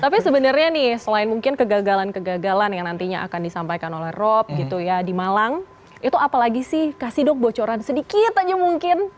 tapi sebenarnya nih selain mungkin kegagalan kegagalan yang nantinya akan disampaikan oleh rob gitu ya di malang itu apalagi sih kasih dok bocoran sedikit aja mungkin